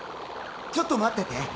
ちょっと待ってて。